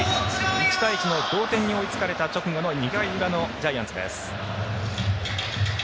１対１の同点に追いつかれた直後２回裏のジャイアンツです。